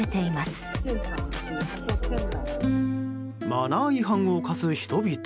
マナー違反を犯す人々。